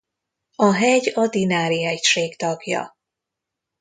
A hegy a Dinári-hegység tagja.